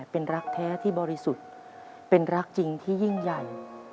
เป็นรักแท้ที่บริสุทธิ์เป็นรักจริงที่ยิ่งใหญ่